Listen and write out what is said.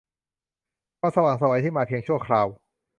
ความสว่างไสวที่มาเพียงชั่วคราว